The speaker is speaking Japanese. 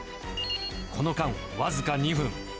この間、僅か２分。